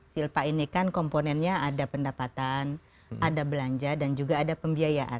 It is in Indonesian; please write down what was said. silpa ini kan komponennya ada pendapatan ada belanja dan juga ada pembiayaan